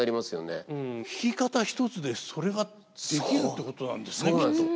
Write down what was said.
弾き方一つでそれができるってことなんですねきっと。